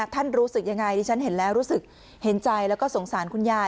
รู้สึกยังไงดิฉันเห็นแล้วรู้สึกเห็นใจแล้วก็สงสารคุณยาย